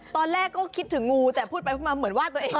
ตอนแรกก็คิดถึงงูแต่พูดไปพูดมาเหมือนว่าตัวเอง